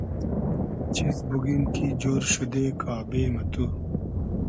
چیز بوگیم کی جۉر شودې کابې مہ تو